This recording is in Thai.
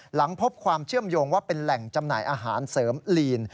หลังพบความเชื่อมโยงว่าเป็นแหล่งจำหน่ายอาหารเสริมลีน